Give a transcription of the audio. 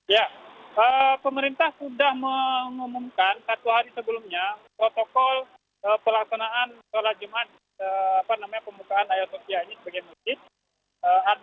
ya pemerintah sudah mengumumkan satu hari sebelumnya protokol pelaksanaan sholat jemaat pemukaan ayakutopia ini sebagai masjid